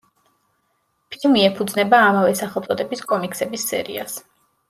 ფილმი ეფუძნება ამავე სახელწოდების კომიქსების სერიას.